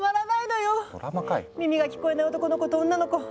耳が聞こえない男の子と女の子